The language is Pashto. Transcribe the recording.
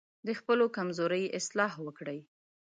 د خپلو کمزورۍ اصلاح وکړئ.